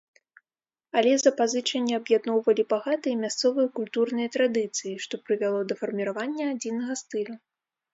Але запазычанні аб'ядноўвалі багатыя мясцовыя культурныя традыцыі, што прывяло да фарміравання адзінага стылю.